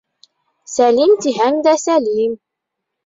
Сәлим тиһәң дә Сәлим!